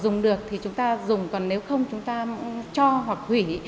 dùng được thì chúng ta dùng còn nếu không chúng ta cho hoặc hủy